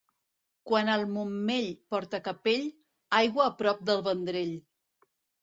Quan el Montmell porta capell, aigua a prop del Vendrell.